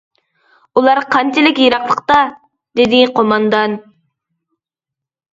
— ئۇلار قانچىلىك يىراقلىقتا؟ — دېدى قوماندان.